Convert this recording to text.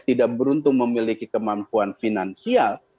tidak beruntung memiliki kemampuan finansial